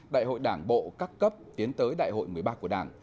đại hội đảng bộ các cấp tiến tới đại hội một mươi ba của đảng